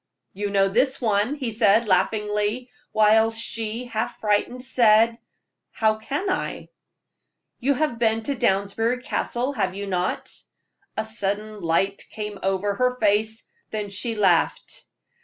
"You know this one," he said, laughingly, while she, half frightened, said: "How can I?" "You have been to Downsbury Castle, have you not?" A sudden light came over her face, then she laughed.